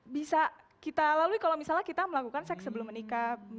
bisa kita lalui kalau misalnya kita melakukan seks sebelum menikah